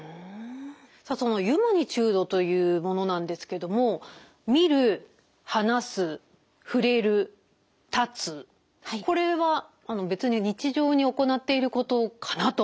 さあそのユマニチュードというものなんですけども見る話す触れる立つこれは別に日常に行っていることかなと思うんですけども。